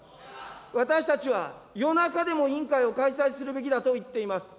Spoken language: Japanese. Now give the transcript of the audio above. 私たちは夜中でも委員会を開催するべきだと言っています。